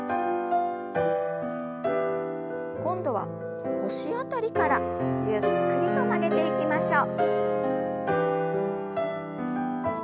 今度は腰辺りからゆっくりと曲げていきましょう。